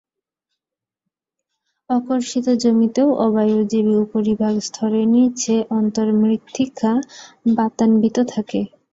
অকর্ষিত জমিতেও অবায়ুজীবী উপরিভাগ স্তরের নিচে অন্তর্মৃত্তিকা বাতান্বিত থাকে।